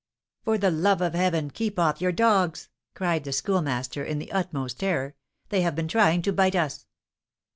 "For the love of heaven, keep off your dogs!" cried the Schoolmaster, in the utmost terror; "they have been trying to bite us!"